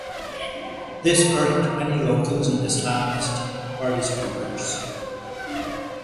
This irked many locals and Islamist party supporters.